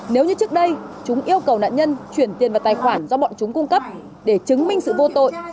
nếu như trước đây chúng yêu cầu nạn nhân chuyển tiền vào tài khoản do bọn chúng cung cấp để chứng minh sự vô tội